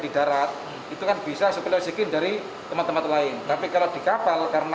di darat itu kan bisa supaya oksigen dari teman teman lain tapi kalau di kapal karena